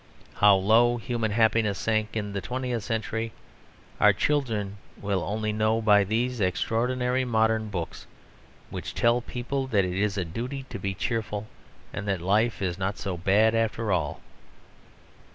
How low human happiness sank in the twentieth century our children will only know by these extraordinary modern books, which tell people that it is a duty to be cheerful and that life is not so bad after all.